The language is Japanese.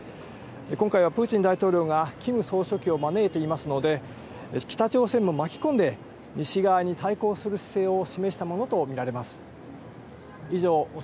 今回はプーチン大統領がキム総書記を招いていますので、北朝鮮を巻き込んで、西側に対抗する姿勢を示したものと見られます。